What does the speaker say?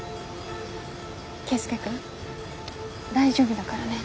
圭輔君大丈夫だからね。